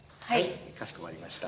かしこまりました。